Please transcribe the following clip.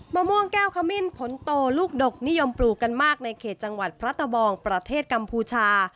มะม่วงแก้วขมิ้นผลโตลูกดกนิยมปลูกกันมากในเขตจังหวัดพระตะบองประเทศกัมพูชา